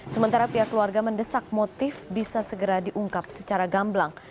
sementara pihak keluarga mendesak motif bisa segera diungkap secara gamblang